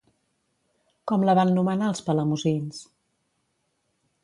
Com la van nomenar els palamosins?